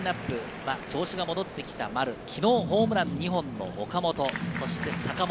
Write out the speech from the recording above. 今日調子が戻ってきた丸、昨日ホームラン２本の岡本、そして坂本。